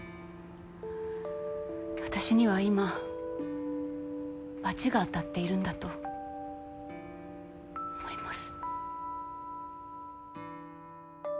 私には今罰が当たっているんだと思います。